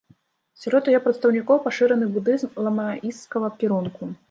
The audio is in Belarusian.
Сярод яе прадстаўнікоў пашыраны будызм ламаісцкага кірунку.